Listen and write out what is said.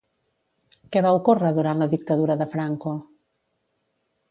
Què va ocórrer durant la dictadura de Franco?